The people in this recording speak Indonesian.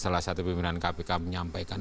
bahwa salah satu pemerintahan kpk menyampaikan